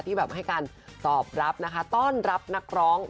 แบบให้การตอบรับนะคะต้อนรับนักร้อง